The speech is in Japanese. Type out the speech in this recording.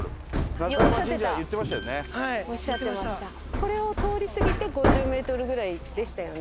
これを通り過ぎて５０メートルぐらいでしたよね。